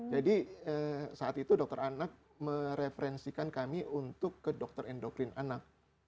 jadi saat itu dokter anak mereferensikan kami untuk ke dokter endokrin anak